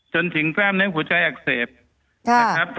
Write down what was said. จนถึงกล้ามเนื้อหัวใจอักเสบนะครับ